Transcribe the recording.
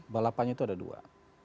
balapannya itu ada dua